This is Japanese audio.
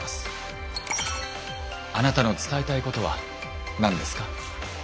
あなたの伝えたいことは何ですか？